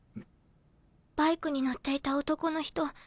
バイクに乗っていた男の人。